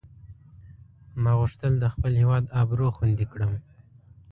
ما غوښتل د خپل هیواد آبرو خوندي کړم.